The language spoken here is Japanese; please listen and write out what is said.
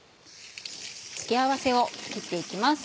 付け合わせを作って行きます。